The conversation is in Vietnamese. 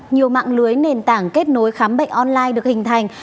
nhiều mạng lưới nền tảng kết nối khám bệnh online được hình thành